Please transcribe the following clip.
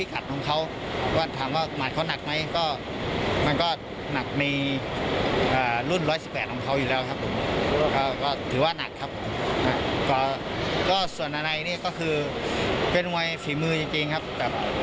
เหมือนแบมป์ครับผม